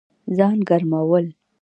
ځان ګرمول